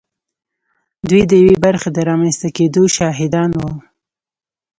دوی د یوې برخې د رامنځته کېدو شاهدان وو